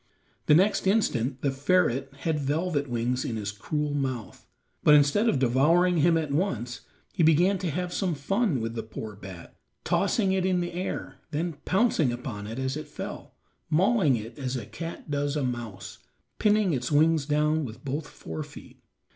The next instant the ferret had Velvet Wings in his cruel mouth, but instead of devouring him at once he began to have some fun with the poor bat, tossing it in the air, then pouncing upon it as it fell, mauling it as a cat does a mouse, pinning its wings down with both fore feet.